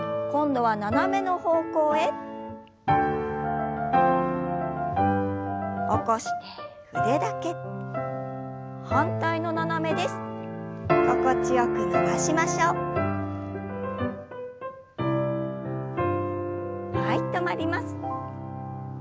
はい止まります。